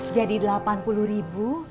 jadi delapan puluh ribu